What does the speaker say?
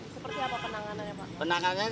seperti apa penanganannya pak